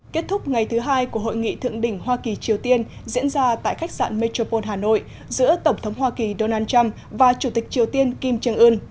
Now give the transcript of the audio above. kết thúc ngày thứ hai của hội nghị thượng đỉnh hoa kỳ triều tiên diễn ra tại khách sạn metropole hà nội giữa tổng thống hoa kỳ donald trump và chủ tịch triều tiên kim trương ưn